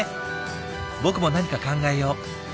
僕も何か考えよう。